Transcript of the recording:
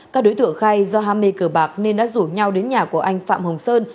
các đối tượng khai do ham mê cờ bạc nên đã rủ nhau đến nhà của anh phạm hồng sơn